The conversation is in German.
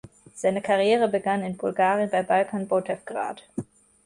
Seine Karriere begann in Bulgarien bei "Balkan Botewgrad".